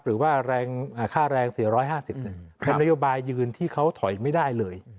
หรือว่าค่าแรง๔๕๐เป็นนโยบายยืนที่เขาถอยไม่ได้เลย